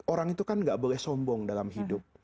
orang itu kan gak boleh sombong dalam hidup